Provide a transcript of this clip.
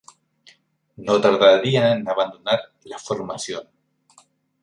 No tardarían en abandonar la formación.